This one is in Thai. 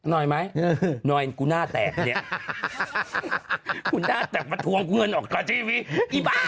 นอยไหมคุณน่าแตดเนี่ยคุณน่าแต่มาทวงพน้ำเงินออกกว่าทีเวียไอ้บ้า